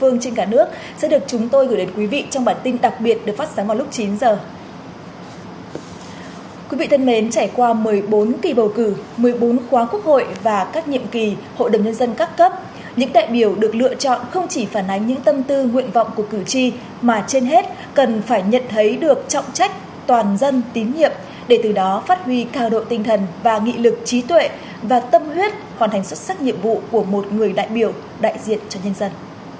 những đại biểu được lựa chọn không chỉ phản ánh những tâm tư nguyện vọng của cử tri mà trên hết cần phải nhận thấy được trọng trách toàn dân tín hiệp để từ đó phát huy càng độ tinh thần và nghị lực trí tuệ và tâm huyết hoàn thành xuất sắc nhiệm vụ của một người đại biểu đại diện cho nhân dân